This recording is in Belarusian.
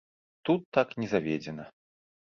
Тут так не заведзена.